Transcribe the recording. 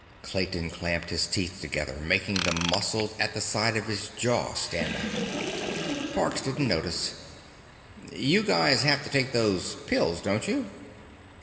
Clayton clamped his teeth together, making the muscles at the side of his jaw stand out. Parks didn't notice. "You guys have to take those pills, don't you?"